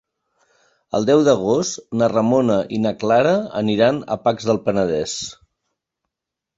El deu d'agost na Ramona i na Clara aniran a Pacs del Penedès.